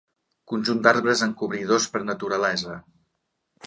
Conjunt d'arbres encobridors per naturalesa.